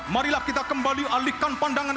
marilah kita kembali alihkan pandangan